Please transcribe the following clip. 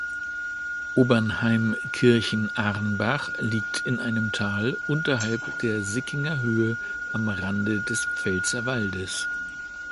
Obernheim-Kirchenarnbach liegt in einem Tal unterhalb der Sickinger Höhe am Rande des Pfälzerwaldes.